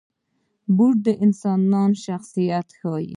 بوټونه د انسان شخصیت ښيي.